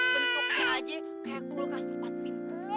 bentuknya aja kayak kulkas tempat itu